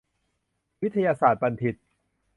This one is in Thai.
วิทยาศาสตรบัณฑิต